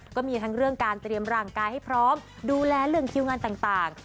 ก็มีทั้งเรื่องการเตรียมร่างกายให้พร้อมดูแลเรื่องคิวงานต่าง